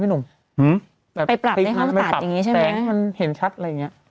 จะให้มันเห็นชัดอะไรอย่างนี้